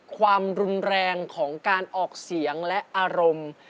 ความรุนแรงของการออกเสียงและอารมณ์